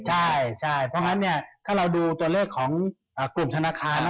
ใช่ใช่เพราะงั้นเนี่ยถ้าเราดูตัวเลขของกลุ่มธนาคารนะ